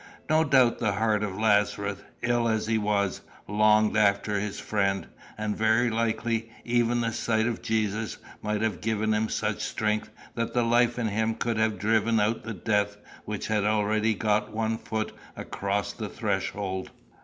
No doubt the heart of Lazarus, ill as he was, longed after his friend; and, very likely, even the sight of Jesus might have given him such strength that the life in him could have driven out the death which had already got one foot across the threshold.